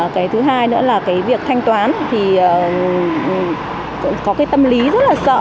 cái thứ hai nữa là cái việc thanh toán thì cũng có cái tâm lý rất là sợ